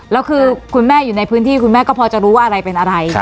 แล้วคือคุณแม่อยู่ในพื้นที่คุณแม่ก็พอจะรู้ว่าอะไรเป็นอะไร